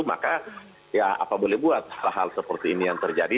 maka ya apa boleh buat hal hal seperti ini yang terjadi